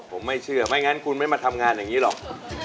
ผมไม่เชื่อไม่งั้นคุณไม่มาทำงานอย่างนี้หรอก